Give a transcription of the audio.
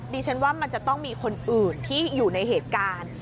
ดิฉันว่ามันจะต้องมีคนอื่นที่อยู่ในเหตุการณ์